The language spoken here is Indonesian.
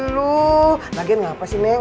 lu lagian gapas sih neng